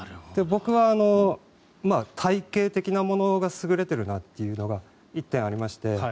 僕は体形的なものが優れているなというのが１点ありまして